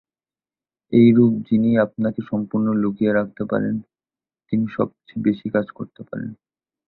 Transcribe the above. এইরূপ যিনি আপনাকে সম্পূর্ণ লুকিয়ে রাখতে পারেন, তিনি সবচেয়ে বেশী কাজ করতে পারেন।